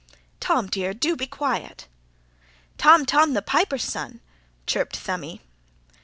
'" "Tom, dear, DO be quiet." "Tom, Tom, the piper's son!" chirped Thumbby.